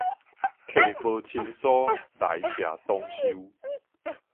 客無親疏，來者當受